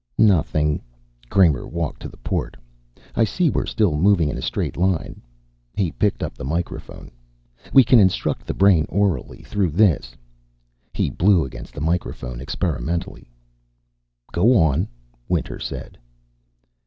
"Nothing." Kramer walked to the port. "I see we're still moving in a straight line." He picked up the microphone. "We can instruct the brain orally, through this." He blew against the microphone experimentally. "Go on," Winter said.